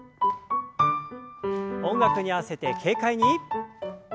音楽に合わせて軽快に。